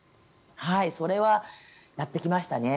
それはやってきましたね。